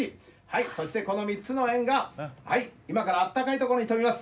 はいそしてこの３つのえんが今からあったかい所に飛びます。